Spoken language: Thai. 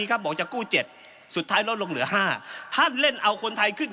ครับบอกจะกู้เจ็ดสุดท้ายลดลงเหลือ๕ท่านเล่นเอาคนไทยขึ้น